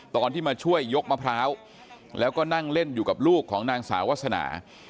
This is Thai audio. ตอนที่มาช่วยยกมะพร้าวแล้วก็นั่งเล่นอยู่กับลูกของนางสาววาสนา